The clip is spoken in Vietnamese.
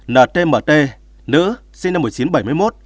ntmt nữ sinh năm một nghìn chín trăm bảy mươi một